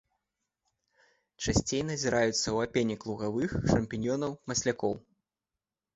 Часцей назіраюцца ў апенек лугавых, шампіньёнаў, маслякоў.